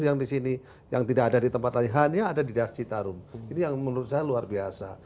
yang di sini yang tidak ada di tempat hanya ada di das citarum ini yang menurut saya luar biasa